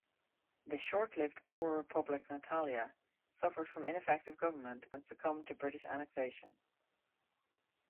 The short-lived Boer republic Natalia suffered from ineffective government and succumbed to British annexation.